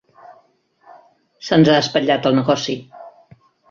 Se'ns ha espatllat el negoci.